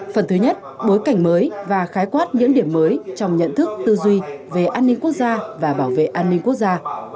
phần thứ nhất bối cảnh mới và khái quát những điểm mới trong nhận thức tư duy về an ninh quốc gia và bảo vệ an ninh quốc gia